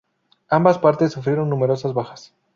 Ambas partes sufrieron numerosas bajas.